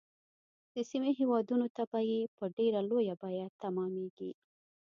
د سیمې هیوادونو ته به په ډیره لویه بیعه تمامیږي.